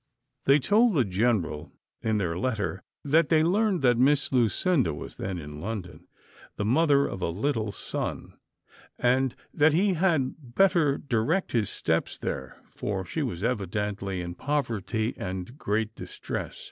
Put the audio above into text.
They told the general, in their letter, that they learned that Miss Lucinda was then in London, the mother of a little son, and that he had better direct his steps there, for she was evidently in poverty and great distress.